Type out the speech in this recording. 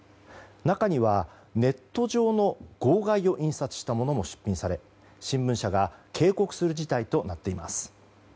中には、ネット上の号外を印刷したものも出品され新聞社が警告する事態となっています。